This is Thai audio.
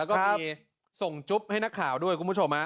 แล้วก็มีส่งจุ๊บให้นักข่าวด้วยคุณผู้ชม